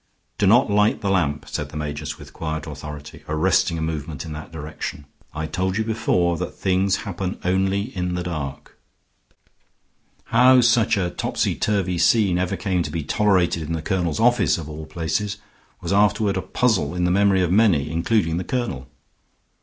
"Do not light the lamp," said the magus with quiet authority, arresting a movement in that direction. "I told you before that things happen only in the dark." How such a topsy turvy scene ever came to be tolerated in the colonel's office, of all places, was afterward a puzzle in the memory of many, including the colonel.